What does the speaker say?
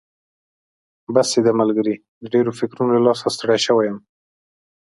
بس یې ده ملګري، د ډېرو فکرونو له لاسه ستړی شوی یم.